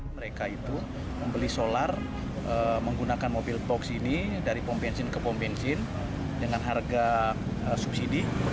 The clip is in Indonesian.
mereka itu membeli solar menggunakan mobil box ini dari pom bensin ke pom bensin dengan harga subsidi